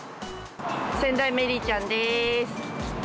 仙台メリーちゃんです。